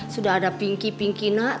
sudah ada pinki pinki nak